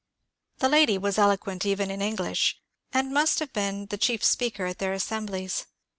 The lady was eloquent even in English, and must have been the chief speaker at their assemblies.